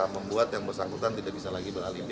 membuat yang bersangkutan tidak bisa lagi beralih